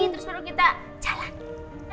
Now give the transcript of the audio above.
terus baru kita jalan